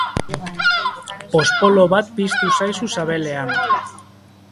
Pospolo bat piztu zaizu sabelean.